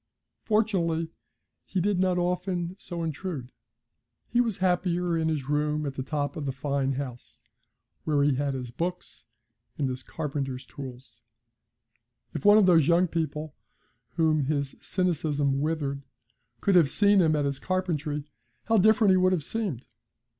Fortunately, he did not often so intrude; he was happier in his room at the top of the fine house, where he had his books and his carpenter's tools. If one of those young people whom his cynicism withered could have seen him at his carpentry, how different he would have seemed!